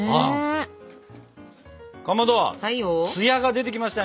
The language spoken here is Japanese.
かまど艶が出てきましたね。